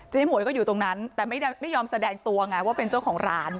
หมวยก็อยู่ตรงนั้นแต่ไม่ยอมแสดงตัวไงว่าเป็นเจ้าของร้าน